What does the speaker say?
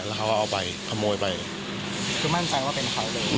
แล้วเขาก็เอาไปขโมยไปคือมั่นใจว่าเป็นเขาเลย